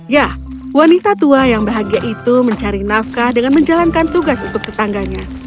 ya wanita tua yang bahagia itu mencari nafkah dengan menjalankan tugas untuk tetangganya